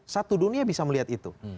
satu dunia bisa melihat itu